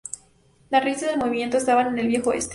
Las raíces del movimiento estaban en el viejo Oeste.